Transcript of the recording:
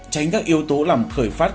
tránh các yếu tố làm khởi phát